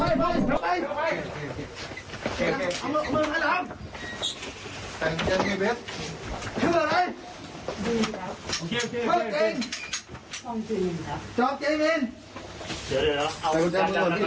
เย็บขา